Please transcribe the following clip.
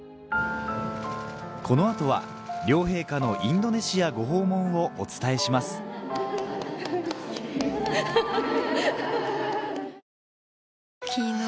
この後は両陛下のインドネシアご訪問をお伝えしますハハハ。